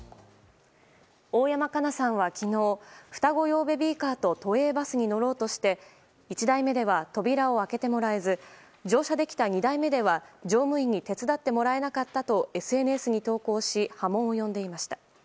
大山加奈さんは昨日双子用ベビーカーと都営バスに乗ろうとして１台目では扉を開けてもらえず乗車できた２台目では乗務員に手伝ってもらえなかったとＳＮＳに投稿し波紋を呼んでいました。